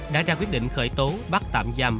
đã ra quyết định khởi tố bắt tạm giam